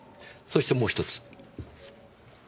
そしてもう１つ。